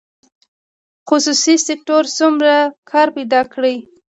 خصوصي سکتور څومره کار پیدا کړی؟